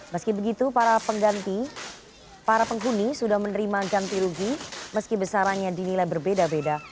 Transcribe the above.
meski begitu para pengganti para penghuni sudah menerima ganti rugi meski besarannya dinilai berbeda beda